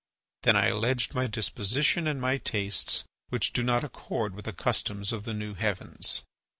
Then I alleged my disposition and my tastes, which do not accord with the customs of the new heavens.